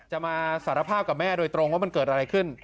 จะมาสารภาพกับแม่โดยตรงว่ามันเกิดอะไรขึ้น